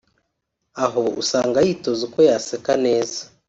aho usanga yitoza uko yaseka neza